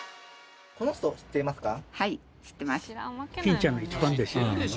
この人知ってますか？